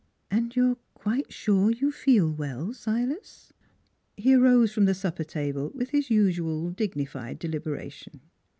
" And you're quite sure you feel well, Silas? " He arose from the supper table with his usual 'dignified deliberation.